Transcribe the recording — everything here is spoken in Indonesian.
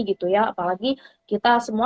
gitu ya apalagi kita semua